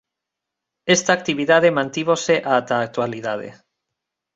Esta actividade mantívose ata a actualidade.